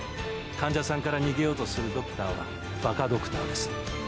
患者さんから逃げようとするドクターは、馬鹿ドクターです。